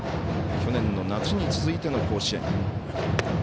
去年の夏に続いての甲子園。